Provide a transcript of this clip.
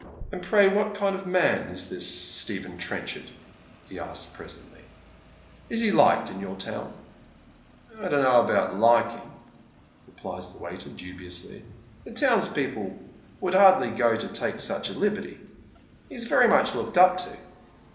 " And pray what kind of man is this Stephen Trenchard ?" be asks presently. " Is he liked in your town ?" "I don't know about liking," replies the waiter, dubiously; "the townspeople would hardly go to take such a liberty. He's very much looked up to."